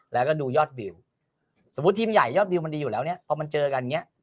แล้วก็ดูยอดวิวสมมุติทีมใหญ่ยอดวิวมันดีอยู่แล้วเนี่ยพอมันเจอกันอย่างนี้